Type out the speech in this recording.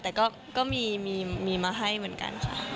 แต่ก็มีมาให้เหมือนกันค่ะ